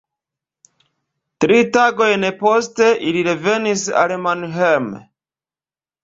Tri tagojn poste ili revenis al Mannheim.